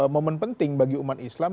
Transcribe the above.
momen penting bagi umat islam